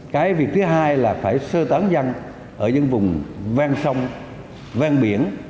cái việc thứ hai là phải sơ tán dân ở những vùng vang sông vang biển